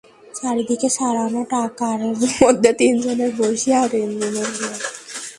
চারি দিকে ছড়ানো টাকার মধ্যে তিনজনে বসিয়া বেণুর ছেলেবেলাকার গল্প হইতে লাগিল।